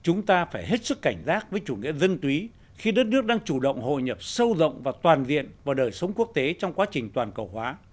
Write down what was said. chúng ta phải hết sức cảnh giác với chủ nghĩa dân túy khi đất nước đang chủ động hội nhập sâu rộng và toàn diện vào đời sống quốc tế trong quá trình toàn cầu hóa